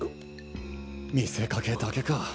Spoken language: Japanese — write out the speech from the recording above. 見せかけだけか。